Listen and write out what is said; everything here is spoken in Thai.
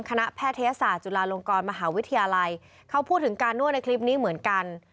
แพทยศาสตร์จุฬาลงกรมหาวิทยาลัยเขาพูดถึงการนวดในคลิปนี้เหมือนกัน